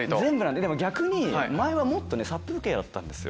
でも逆に前はもっと殺風景だったんですよ。